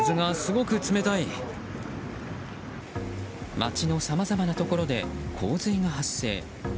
街のさまざまなところで洪水が発生。